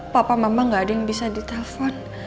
papa mama gak ada yang bisa ditelepon